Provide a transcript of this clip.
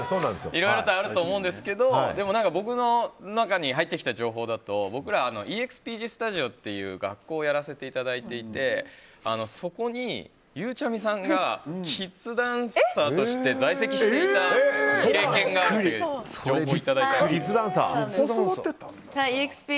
いろいろとあると思うんですけど僕の中に入ってきた情報だと僕らはＥＸＰＧスタジオっていう学校をやらせていただいててそこに、ゆうちゃみさんがキッズダンサーとして在籍していた経験があるという情報をいただいて。